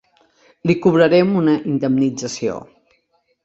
Li cobrarem una indemnització.